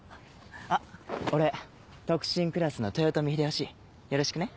あっ俺特進クラスの豊臣秀吉よろしくね。